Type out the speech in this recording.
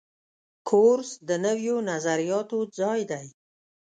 کورس د نویو نظریاتو ځای دی.